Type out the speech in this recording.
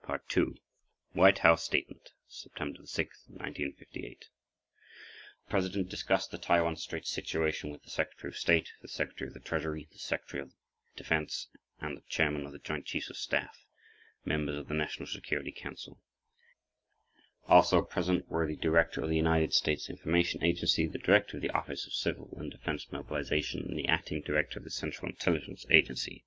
[pg 6] 2. White House Statement, September 6, 1958 Return to Table of Contents The President discussed the Taiwan Straits situation with the Secretary of State, the Secretary of the Treasury, the Secretary of Defense, and the Chairman of the Joint Chiefs of Staff—members of the National Security Council. Also present were the Director of the United States Information Agency, the Director of the Office of Civil and Defense Mobilization, and the Acting Director of the Central Intelligence Agency.